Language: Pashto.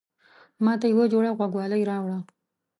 ماته يوه جوړه غوږوالۍ راوړه